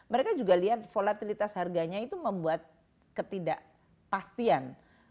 mereka juga lihat volatilitas harganya itu membuat ketidakpastian